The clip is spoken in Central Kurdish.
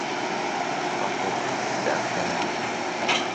پاڵتۆکەت دابکەنە.